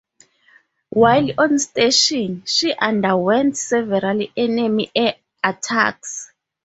While on station, she underwent several enemy air attacks.